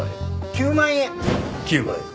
９万円。